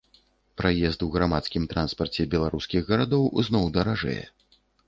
Праезд у грамадскім транспарце беларускіх гарадоў зноў даражэе.